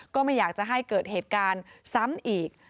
ก็ไม่อยากจะให้เกิดเหตุการณ์ซ้ำอีก